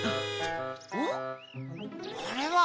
おっあれは。